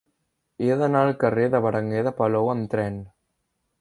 He d'anar al carrer de Berenguer de Palou amb tren.